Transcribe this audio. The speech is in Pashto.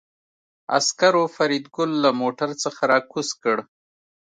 عسکرو فریدګل له موټر څخه راکوز کړ